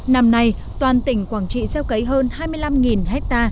năm nay toàn tỉnh quảng trị gieo cấy hơn hai mươi năm ha